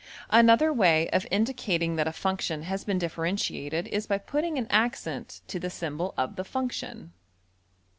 Another way of indicating that a function has been differentiated is by putting an accent to the symbol of the function.